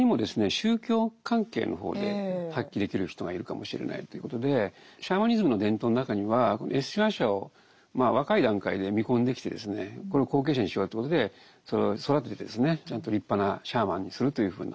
宗教関係の方で発揮できる人がいるかもしれないということでシャーマニズムの伝統の中にはＳ親和者を若い段階で見込んできてこれを後継者にしようということで育ててですねちゃんと立派なシャーマンにするというふうな。